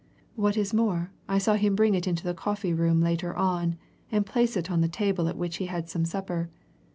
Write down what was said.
What is more, I saw him bring it into the coffee room later on, and place it on the table at which he had some supper.